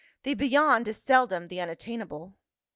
The beyond is seldom the unat tainable."